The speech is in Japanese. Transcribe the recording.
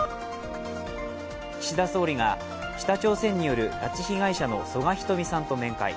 岸田総理が、北朝鮮による拉致被害者の曽我ひとみさんと面会。